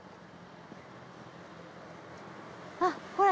あっほら